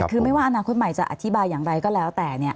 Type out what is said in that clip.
คือไม่ว่าอนาคตใหม่จะอธิบายอย่างไรก็แล้วแต่